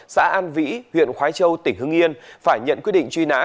xã an vĩ huyện khói châu tỉnh hưng yên phải nhận quyết định truy nã